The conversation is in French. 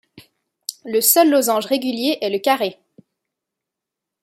Le seul losange régulier est le carré.